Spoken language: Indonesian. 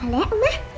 boleh ya oma